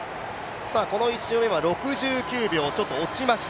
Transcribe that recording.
この１周目は６９秒、ちょっと落ちました。